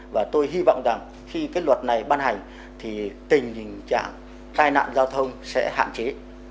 và tôi hy vọng rằng khi cái luật này ban hành thì tình trạng tai nạn giao thông sẽ hạn chế